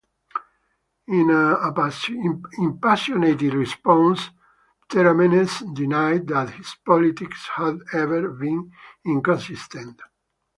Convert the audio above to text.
In an impassioned response, Theramenes denied that his politics had ever been inconsistent.